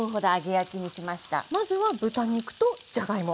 まずは豚肉とじゃがいも